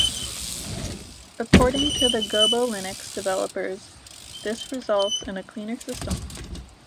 According to the GoboLinux developers, this results in a cleaner system.